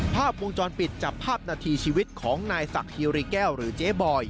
ภาพวงจรปิดจับภาพนาทีชีวิตของนายศักดิริแก้วหรือเจ๊บอย